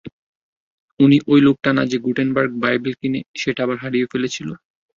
উনি অই লোকটা না যে গুটেনবার্গ বাইবেল কিনে সেটা আবার হারিয়েও ফেলেছিল!